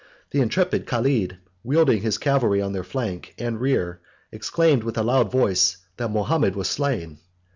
The intrepid Caled, wheeling his cavalry on their flank and rear, exclaimed, with a loud voice, that Mahomet was slain.